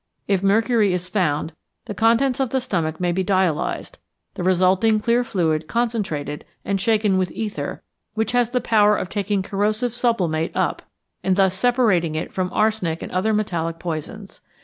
If mercury is found, the contents of the stomach may be dialyzed, the resulting clear fluid concentrated and shaken with ether, which has the power of taking corrosive sublimate up, and thus separating it from arsenic and other metallic poisons.